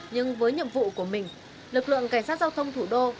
nhưng với nhiệm vụ của mình lực lượng cảnh sát giao thông thủ đô